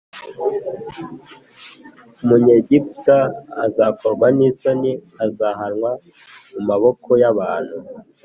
umunyegiputa azakorwa n isoni Azahanwa mu maboko y abantu